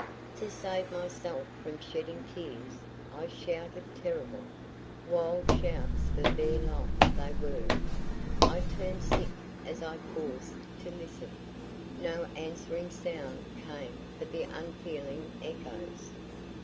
To save myself from shedding tears, I shouted—terrible, wild shouts for bare life they were. I turned sick as I paused to listen; no answering sound came but the unfeeling echoes.